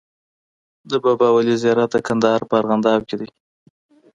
د بابا ولي زيارت د کندهار په ارغنداب کی دی